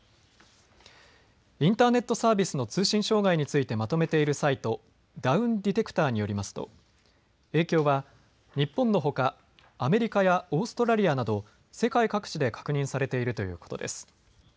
インターネットサービスの通信障害についてまとめているサイト、ダウンディテクターによりますと影響は日本のほかアメリカやオーストラリアなど世界各地で確認されているということです。